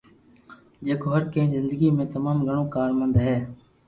جيڪو هر ڪنهن جي زندگي ۾ تمام گهڻو ڪارآمد آهي